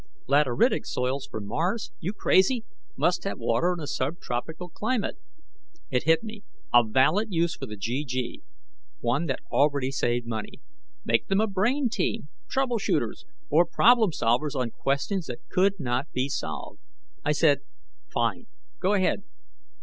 Lateritic soils for Mars? You crazy? Must have water and a subtropical climate...." It hit me: a valid use for the GG, one that already saved money. Make them a brain team, trouble shooters, or problem solvers on questions that could not be solved. I said, "Fine, go ahead.